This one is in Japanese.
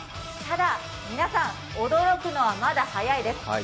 ただ皆さん、驚くのはまだ早いです。